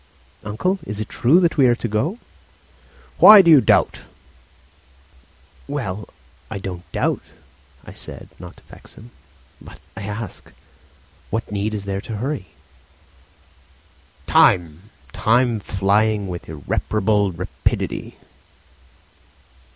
"Uncle, is it true that we are to go?" "Why do you doubt?" "Well, I don't doubt," I said, not to vex him; "but, I ask, what need is there to hurry?" "Time, time, flying with irreparable rapidity."